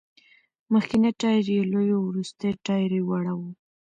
مخکېنی ټایر یې لوی و، وروستی ټایر وړه و.